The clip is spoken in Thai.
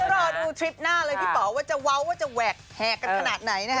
รอดูทริปหน้าเลยพี่ป๋อว่าจะเว้าว่าจะแหวกแหกกันขนาดไหนนะฮะ